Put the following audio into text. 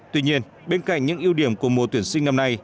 tuy nhiên bên cạnh những ưu điểm của mùa tuyển sinh năm nay